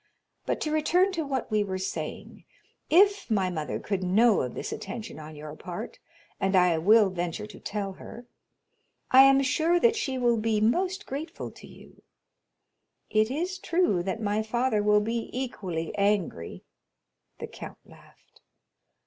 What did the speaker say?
But to return to what we were saying. If my mother could know of this attention on your part—and I will venture to tell her—I am sure that she will be most grateful to you; it is true that my father will be equally angry." The count laughed.